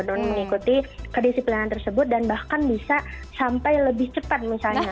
dan mengikuti kedisiplinan tersebut dan bahkan bisa sampai lebih cepat misalnya